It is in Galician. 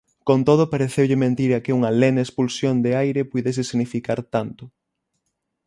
Con todo pareceulle mentira que unha lene expulsión de aire puidese significar tanto;